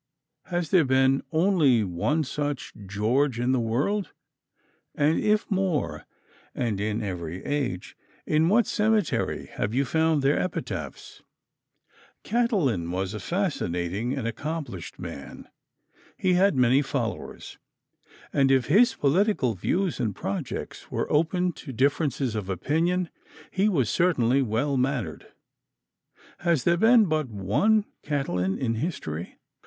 Has there been only one such George in the world? And if more, and in every age, in what cemetery have you found their epitaphs? Catiline was a fascinating and accomplished man. He had many followers, and if his political views and projects were open to differences of opinion, he was certainly well mannered. Has there been but one Catiline in history?